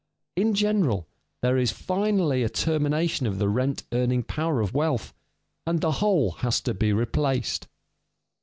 In general, there is finally a termination of the rent earning power of wealth, and the whole has to be replaced.